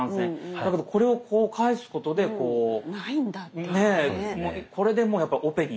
だけどこれをこう返すことでこうこれでもうやっぱオペに。